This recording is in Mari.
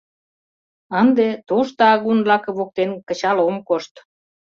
Ынде тошто агун лаке воктен кычал ом кошт.